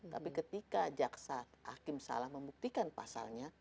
tapi ketika jaksa hakim salah membuktikan pasalnya